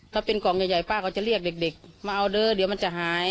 ถ้าเป็นกล่องใหญ่ป้าก็จะเรียกเด็กมาเอาเด้อเดี๋ยวมันจะหาย